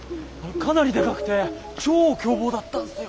かなりでかくて超凶暴だったんすよ！